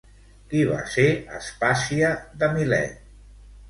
Qui va ser Aspàsia de Milet?